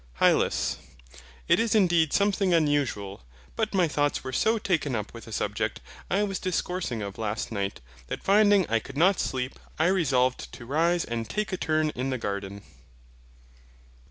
HYLAS. It is indeed something unusual; but my thoughts were so taken up with a subject I was discoursing of last night, that finding I could not sleep, I resolved to rise and take a turn in the garden.